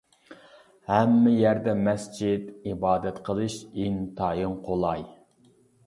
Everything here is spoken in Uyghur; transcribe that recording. ھەممە يەردە مەسچىت، ئىبادەت قىلىش ئىنتايىن قولاي.